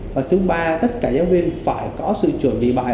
và thứ ba tất cả giáo viên phải có sự chuẩn bị bài